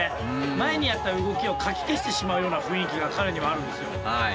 前にやった動きをかき消してしまうような雰囲気が彼にはあるんですよ。